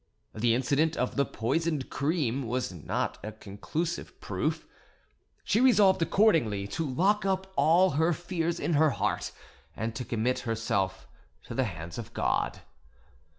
The incident of the poisoned cream was not a conclusive proof. She resolved accordingly to lock up all her fears in her heart, and to commit herself to the hands of God.